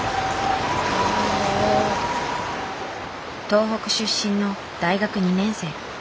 東北出身の大学２年生。